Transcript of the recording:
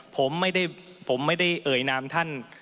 ผมไม่ได้เอ่ยน้ำท่าน